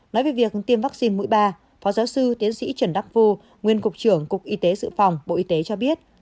nói về việc tiêm vaccine mũi ba phó giáo sư tiến sĩ trần đắc phu nguyên cục trưởng cục y tế dự phòng bộ y tế cho biết